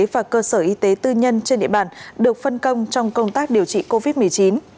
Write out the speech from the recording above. và cơ sở y tế tư nhân trên địa bàn được phân công trong công tác điều trị covid một mươi chín